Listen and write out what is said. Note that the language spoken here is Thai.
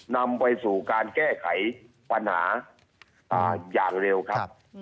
นำไปสู่การแก้ไขปัญหาอย่างเร็วครับ